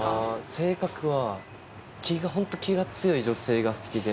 性格はホント気が強い女性が好きで。